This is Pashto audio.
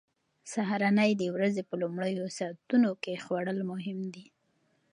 سهارنۍ د ورځې په لومړیو ساعتونو کې خوړل مهم دي.